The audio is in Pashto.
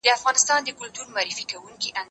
زه سبزیجات تيار کړي دي،